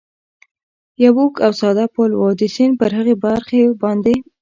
یو اوږد او ساده پل و، د سیند پر هغې برخې باندې.